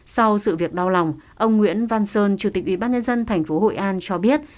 sau sự việc đau lòng ông nguyễn văn sơn chủ tịch ubnd tp hội an cho biết